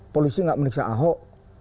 polisi gak menikah ahok